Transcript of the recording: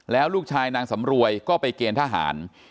แล้วลูกชายนางสำรวยก็ไปเกณฑ์ทหาร